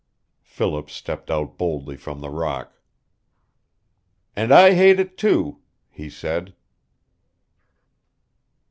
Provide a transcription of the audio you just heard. Philip stepped out boldly from the rock. "And I hate it, too," he said.